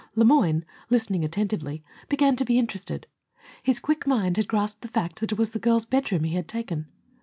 Le Moyne, listening attentively, began to be interested. His quick mind had grasped the fact that it was the girl's bedroom he had taken.